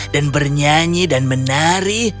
dan bernyanyi dan menari